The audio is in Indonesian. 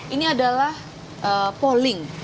ini adalah polling